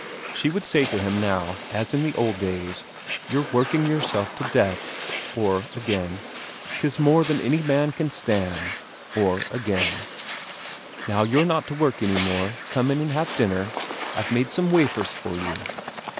She would say to him now, as in the old days: "You're working yourself to death!" Or again: "'Tis more than any man can stand." Or again: "Now, you're not to work any more; come in and have dinner I've made some wafers for you!"